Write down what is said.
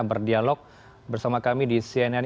berdialog bersama kami di cnn